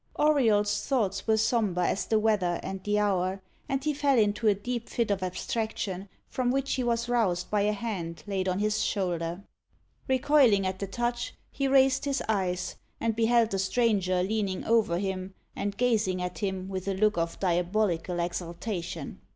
Auriol's thoughts were sombre as the weather and the hour, and he fell into a deep fit of abstraction, from which he was roused by a hand laid on his shoulder. Recoiling at the touch, he raised his eyes, and beheld the stranger leaning over him, and gazing at him with a look of diabolical exultation.